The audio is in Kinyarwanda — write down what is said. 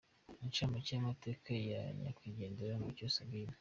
Incamake y’amateka ya nyakwigendera Mucyo Sabine